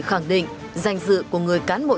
khẳng định danh dự của người cán bộ